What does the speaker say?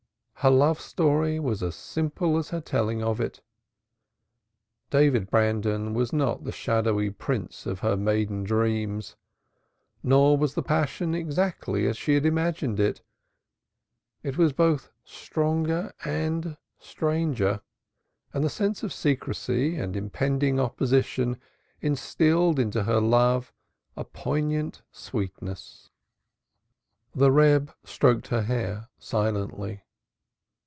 Her love story was as simple as her telling of it. David Brandon was not the shadowy Prince of her maiden dreams, nor was the passion exactly as she had imagined it; it was both stronger and stranger, and the sense of secrecy and impending opposition instilled into her love a poignant sweetness. The Reb stroked her hair silently.